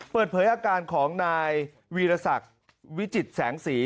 เปิดเผยอาการของนายวีรศักดิ์วิจิตแสงสี